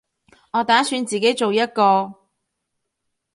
我打算自己做一個